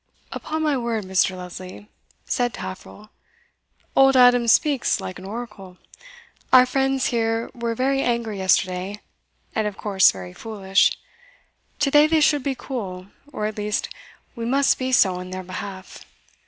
"Upon my word, Mr. Lesley," said Taffril, "old Adam speaks like an oracle. Our friends here were very angry yesterday, and of course very foolish; today they should be cool, or at least we must be so in their behalf.